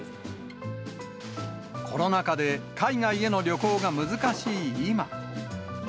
コロナ禍で海外への旅行が難しい今。